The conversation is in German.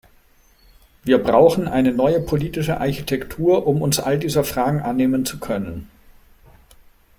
Wir brauchen eine neue politische Architektur, um uns all dieser Fragen annehmen zu können.